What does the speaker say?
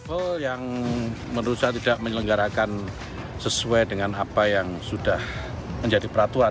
oh yang menurut saya tidak menyelenggarakan sesuai dengan apa yang sudah menjadi peraturan